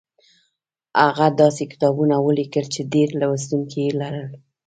هغه داسې کتابونه ولیکل چې ډېر لوستونکي یې لرل